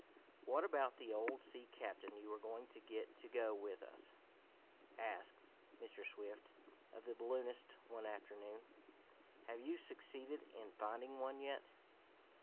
"What about the old sea captain you were going to get to go with us?" asked Mr. Swift of the balloonist one afternoon. "Have you succeeded in finding one yet?"